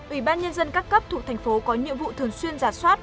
ủy ban nhân dân các cấp thuộc thành phố có nhiệm vụ thường xuyên giả soát